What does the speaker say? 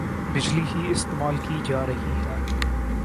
بجلی ہی استعمال کی جارہی ھے